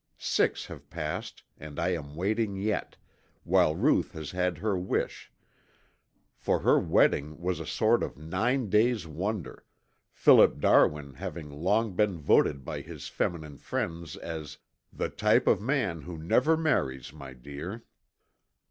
Six have passed and I am waiting yet, while Ruth has had her wish, for her wedding was a sort of nine days' wonder, Philip Darwin having long been voted by his feminine friends as "the type of man who never marries, my dear."